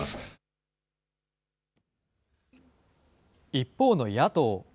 一方の野党。